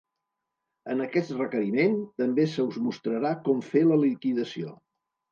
En aquest requeriment també se us mostrarà com fer la liquidació.